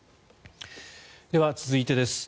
では続いてです。